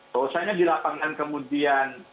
rolesanya di lapangan kemudian